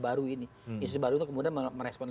baru ini isu baru itu kemudian merespon